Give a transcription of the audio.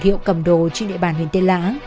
hiệu cầm đồ trên địa bàn huyện tên lã